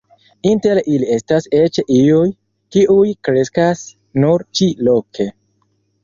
Inter ili estas eĉ iuj, kiuj kreskas nur ĉi-loke.